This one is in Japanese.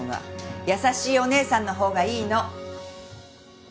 優しいお姉さんのほうがいいの。